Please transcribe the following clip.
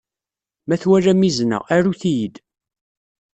Ma twalam izen-a, arut-iyi-d.